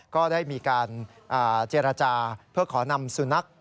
ก็ได้มีการเจรจาเพื่อขอนำสุนัข